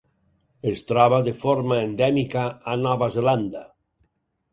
Es troba de forma endèmica a Nova Zelanda.